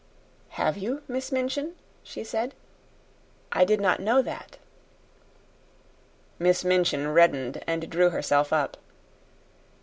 "Have YOU, Miss Minchin?" she said. "I did not know that." Miss Minchin reddened and drew herself up.